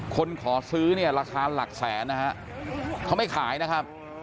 ขอซื้อเนี่ยราคาหลักแสนนะฮะเขาไม่ขายนะครับ